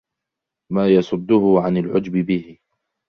مَا يَصُدُّهُ عَنْ الْعُجْبِ بِهِ